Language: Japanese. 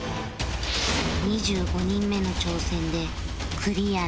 ２５人目の挑戦でクリアなるか？